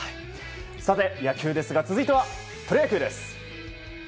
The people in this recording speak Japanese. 野球ですが続いてはプロ野球です。